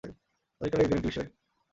আধুনিক কালে বিজ্ঞান একটি বিস্ময়।